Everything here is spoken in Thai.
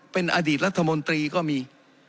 เป็นอดีตรัฐมนตรีก็มี